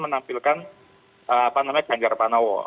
menampilkan apa namanya ganjar panowo